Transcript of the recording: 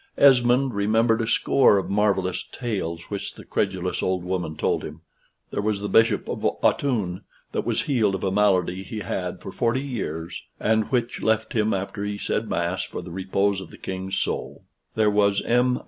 Esmond remembered a score of marvellous tales which the credulous old woman told him. There was the Bishop of Autun, that was healed of a malady he had for forty years, and which left him after he said mass for the repose of the king's soul. There was M.